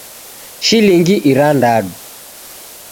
Shilingi irandadu